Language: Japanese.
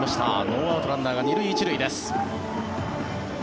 ノーアウトランナーが２塁１塁です。